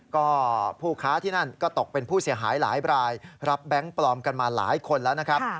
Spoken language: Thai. ก็ผู้ค้าที่นั่นก็ตกเป็นผู้เสียหายหลายรายรับแบงค์ปลอมกันมาหลายคนแล้วนะครับ